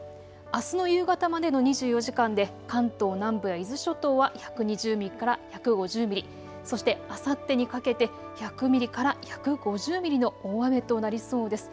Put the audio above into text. あすの夕方までの２４時間で関東南部や伊豆諸島は１２０ミリから１５０ミリ、そしてあさってにかけて１００ミリから１５０ミリの大雨となりそうです。